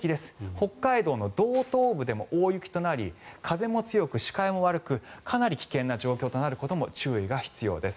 北海道の道東部でも大雪となり風も強く視界も悪くかなり危険な状態となることも注意が必要です。